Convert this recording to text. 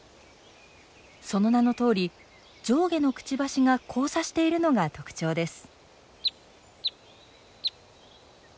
その名のとおり上下のくちばしが交差しているのが特徴です。